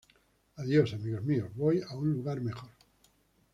Adiós, amigos míos. Voy a un lugar mejor.